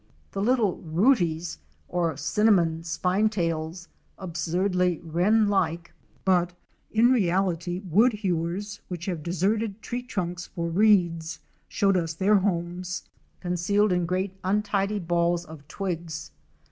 The little "Rooties" or Cinnamon Spine tails — absurdly Wren like but in reality Woodhewers which have deserted tree trunks for reeds — showed us their homes, concealed in great untidy balls of twigs.